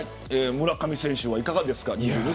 村上選手はいかがですか。